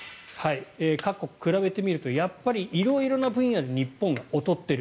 各国、比べてみると色々な分野で日本が劣っている。